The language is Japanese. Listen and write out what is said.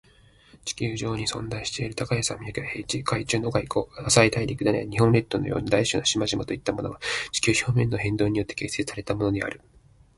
早く終わってほしい